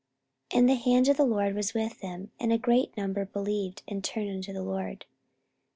44:011:021 And the hand of the Lord was with them: and a great number believed, and turned unto the Lord.